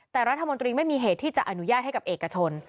แต่รัฐมนตรีไม่มีเหตุที่จะอนุญาตให้กับเอกชน